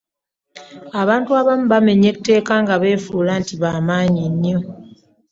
Abantu abamu bamenya etteeka nga beefuula nti bamanyi nnyo.